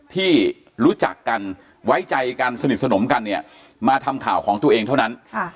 ที่รู้จักกันไว้ใจกันสนิทสนมกันเนี่ยมาทำข่าวของตัวเองเท่านั้น